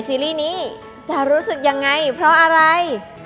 แบบมีใครเกิดมันที่เท่าไหร่อีกหรอ